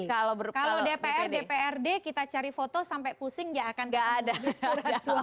kalau dpr dprd kita cari foto sampai pusing tidak akan ada suara suara